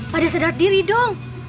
pada sedar diri dong